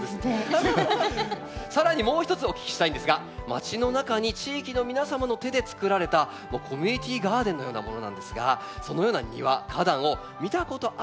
更にもう一つお聞きしたいんですがまちの中に地域の皆様の手でつくられたコミュニティーガーデンのようなものなんですがそのような庭花壇を見たことあるよという方いらっしゃいますか？